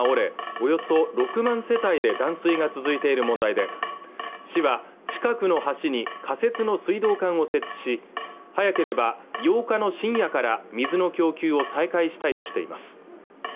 およそ６万世帯で断水が続いている問題で市は近くの橋に仮設の水道管を設置設置し早ければ８日の深夜から水の供給を再開したいとしています